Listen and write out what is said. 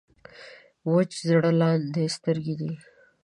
وچ زړه لانده سترګې دي.